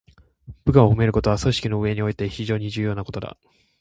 部下を褒めることは、組織の運営において非常に重要だ。